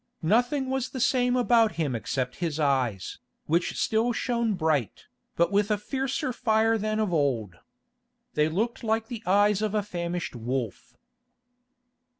Nothing was the same about him except his eyes, which still shone bright, but with a fiercer fire than of old. They looked like the eyes of a famished wolf.